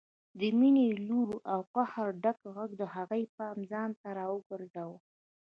د مينې لوړ او له قهره ډک غږ د هغوی پام ځانته راوګرځاوه